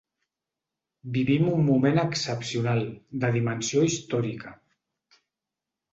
Vivim un moment excepcional, de dimensió històrica.